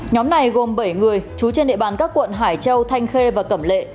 nhóm này gồm bảy người trú trên địa bàn các quận hải châu thanh khê và cẩm lệ